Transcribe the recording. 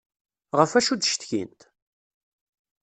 Ɣef wacu d-ttcetkint?